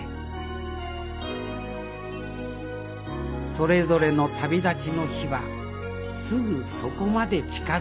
それぞれの旅立ちの日はすぐそこまで近づいておりました